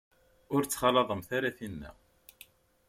Ur ttxalaḍemt ara tinna.